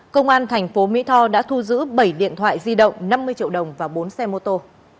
công an thành phố mỹ tho đã thu giữ bảy điện thoại di động năm mươi triệu đồng và bốn xe mô tô